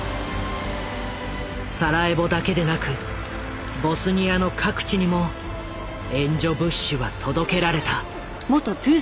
サラエボだけでなくボスニアの各地にも援助物資は届けられた。